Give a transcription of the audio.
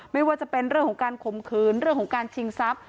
ไม่ว่าจะเป็นเรื่องของการข่มขืนเรื่องของการชิงทรัพย